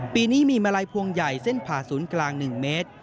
ปีนี้มีมาลัยพวงใหญ่เส้นผ่าศูนย์กลาง๑เมตร